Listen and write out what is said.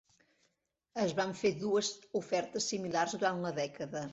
Es van fer dues ofertes similars durant la dècada.